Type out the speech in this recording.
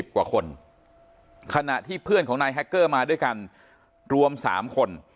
กว่าคนขณะที่เพื่อนของนายแฮคเกอร์มาด้วยกันรวม๓คน